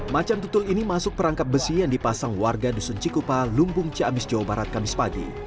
macam tutul ini masuk perangkap besi yang dipasang warga dusun cikupa lumbung ciamis jawa barat kamis pagi